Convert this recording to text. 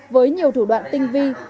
với nhiều thủ đoạn tinh vi